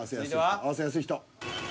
合わせやすい人。